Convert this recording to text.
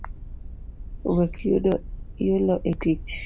Wek yulo etich